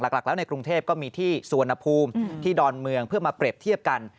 หลักแล้วในกรุงเทพก็มีที่สุวรรณภูมิที่ดอนเมืองเพื่อมาเปรียบเทียบกัน